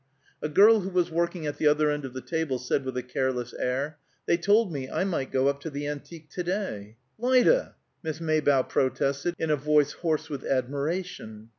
A girl who was working at the other end of the table said with a careless air, "They told me I might go up to the Antique to day." "Lida!" Miss Maybough protested, in a voice hoarse with admiration.